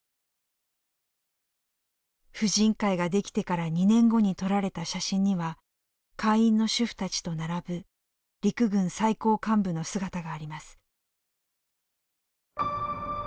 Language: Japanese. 婦人会が出来てから２年後に撮られた写真には会員の主婦たちと並ぶ陸軍最高幹部の姿があります。